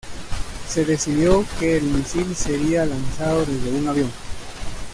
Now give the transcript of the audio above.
Se decidió que el misil sería lanzado desde un avión.